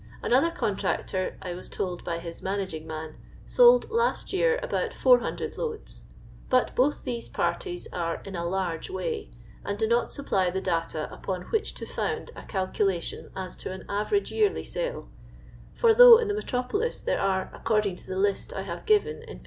Another contractor, I was told by his managing man, sold lust year about 400 loads. But both these parties are " in a large way," and do not supply the data upon which to found a calculation as to an average yearly sale; for though in the metropolis there arc, according to the list I have given in p.